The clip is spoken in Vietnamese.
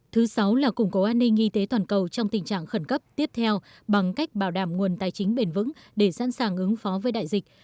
thứ sáu là củng cố an ninh y tế toàn cầu trong tình trạng khẩn cấp tiếp theo bằng cách bảo đảm nguồn tài chính bền vững để sẵn sàng ứng phó với đại dịch